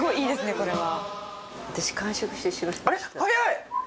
これは。